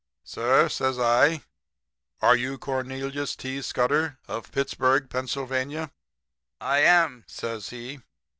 "'Sir,' says I, 'are you Cornelius T. Scudder? Of Pittsburg, Pennsylvania?' "'I am,' says he.